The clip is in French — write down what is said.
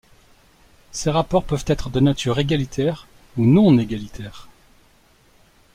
Ces rapports peuvent être de nature égalitaire ou non-égalitaire.